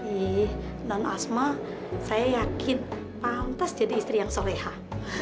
ih non asma saya yakin pantas jadi istri yang solehah